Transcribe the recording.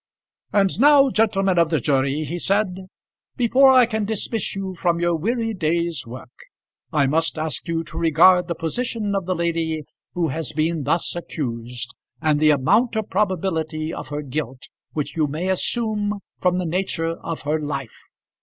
"And now, gentlemen of the jury," he said, "before I can dismiss you from your weary day's work, I must ask you to regard the position of the lady who has been thus accused, and the amount of probability of her guilt which you may assume from the nature of her life.